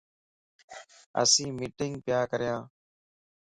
اسين مٽينگ پيا ڪريان